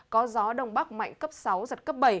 có gió đông bắc mạnh cấp sáu giật cấp bảy